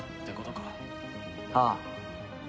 ああ。